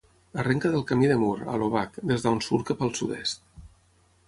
Arrenca del Camí de Mur, a l'Obac, des d'on surt cap al sud-est.